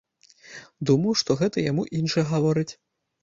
Думаў, што гэта яму іншы гаворыць.